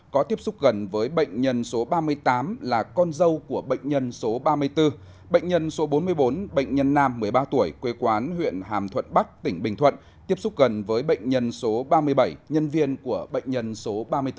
bệnh nhân số ba mươi tám là con dâu của bệnh nhân số ba mươi bốn bệnh nhân số bốn mươi bốn bệnh nhân nam một mươi ba tuổi quê quán huyện hàm thuận bắc tỉnh bình thuận tiếp xúc gần với bệnh nhân số ba mươi bảy nhân viên của bệnh nhân số ba mươi bốn